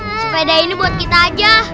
sepeda ini buat kita aja